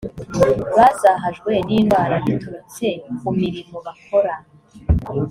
bazahajwe n’ indwara biturutse ku mirimo bakora